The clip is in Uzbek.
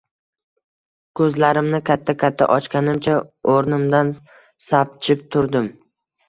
Ko'zlarimni katta-katta ochganimcha o'rnimdan sapchib turdim